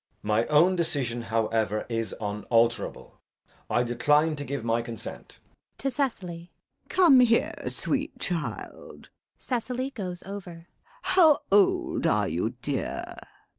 My own decision, however, is unalterable. I decline to give my consent. LADY BRACKNELL. [To Cecily.] Come here, sweet child. [Cecily goes over.] How old are you, dear?